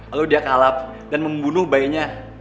lalu dia kalap dan membunuh bayinya